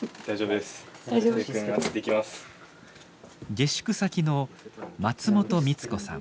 下宿先の松本美津子さん。